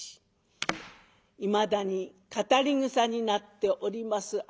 いまだに語りぐさになっております